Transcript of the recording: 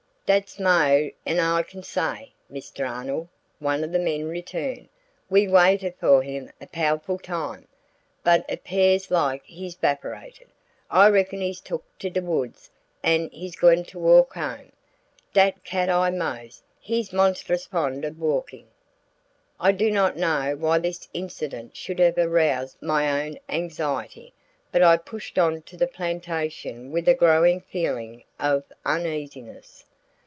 "Dat's moh 'n I can say, Mista Ahnold," one of the men returned. "We waited foh him a powe'ful while, but it 'pears like he's 'vaporated. I reckon he's took to de woods an' is gwine to walk home. Dat Cat Eye Mose, he's monstrous fond ob walkin'!" I do not know why this incident should have aroused my own anxiety, but I pushed on to the plantation with a growing feeling of uneasiness.